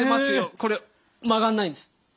これ曲がんないんです。